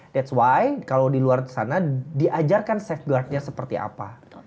that s why kalau di luar sana diajarkan safeguard nya seperti apa